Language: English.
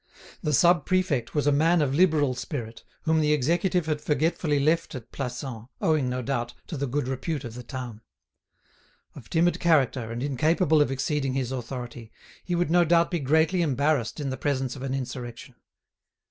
The sub prefect was a man of liberal spirit whom the executive had forgetfully left at Plassans, owing, no doubt, to the good repute of the town. Of timid character and incapable of exceeding his authority, he would no doubt be greatly embarrassed in the presence of an insurrection.